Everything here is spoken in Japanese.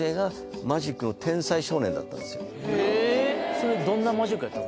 それどんなマジックやった？